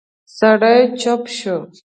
سړی چوپ شو.